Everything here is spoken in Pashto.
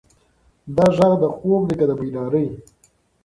دا غږ د خوب دی که د بیدارۍ؟